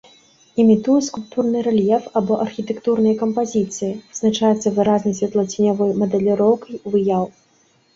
Імітуе скульптурны рэльеф або архітэктурныя кампазіцыі, вызначаецца выразнай святлоценявой мадэліроўкай выяў.